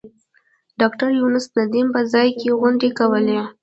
د ډاکټر یونس ندیم په ځای کې غونډې کولې.